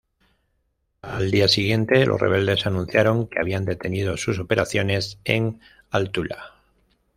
Al día siguiente, los rebeldes anunciaron que habían detenido sus operaciones en al-Thula.